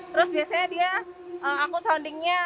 terus biasanya dia aku soundingnya